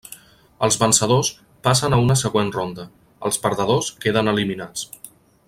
Els vencedors passen a una següent ronda, els perdedors queden eliminats.